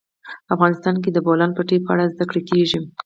افغانستان کې د د بولان پټي په اړه زده کړه کېږي.